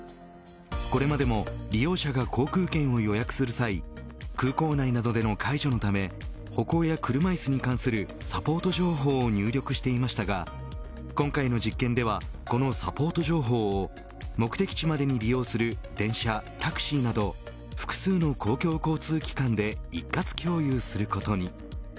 これまでも利用者が航空券を予約する際空港内などでの介助のため歩行や車椅子に関するサポート情報を入力していましたが今回の実験ではこのサポート情報を目的地までに利用する電車、タクシーなど複数の公共交通機関で一括共有することに。